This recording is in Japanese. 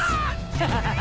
アハハハ。